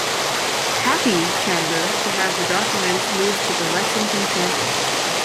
"Happy" Chandler to have the documents moved to the Lexington campus.